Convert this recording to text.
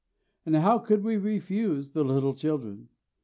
But how could we refuse the little children?